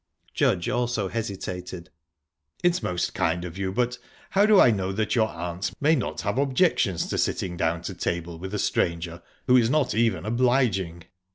Judge also hesitated. "It's most kind of you; but how do I know that your aunt may not have objections to sitting down to table with a stranger, who is not even obliging?"